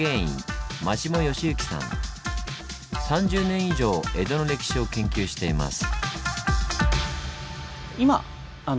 ３０年以上江戸の歴史を研究しています。